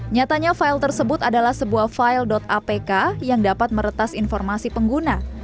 nyatanya file tersebut adalah sebuah file apk yang dapat meretas informasi pengguna